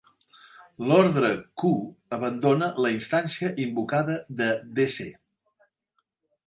L'ordre 'q' abandona la instància invocada de dc.